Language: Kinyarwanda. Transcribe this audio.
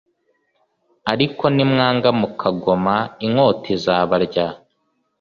ariko nimwanga mukagoma inkota izabarya